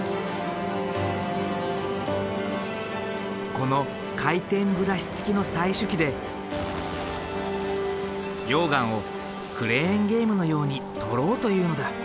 この回転ブラシつきの採取機で溶岩をクレーンゲームのように採ろうというのだ。